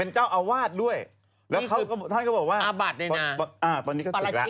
ใช่สิ